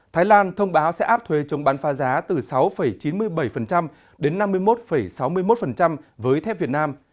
thái lan thông báo sẽ áp thuê chống bán pha giá từ sáu chín mươi bảy đến năm mươi một sáu mươi một với thép việt nam